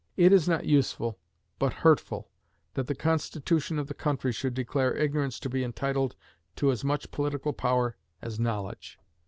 It is not useful, but hurtful, that the constitution of the country should declare ignorance to be entitled to as much political power as knowledge.